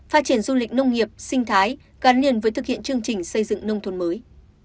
phát triển du lịch nông nghiệp sinh thái gắn liền với thực hiện chương trình xây dựng nông thôn mới